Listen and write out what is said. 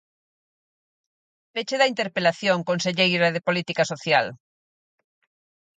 Peche da interpelación, conselleira de Política Social.